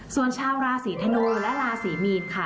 ส่วนชาวราศีธนูและราศีมีนค่ะ